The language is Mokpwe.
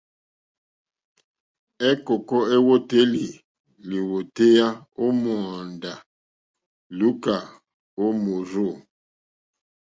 Ɛ̀kɔ́tɔ́ èwòtélì lìwòtéyá ó mòóndá lùúkà ó mòrzô.